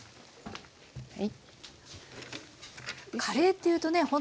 カレーっていうとね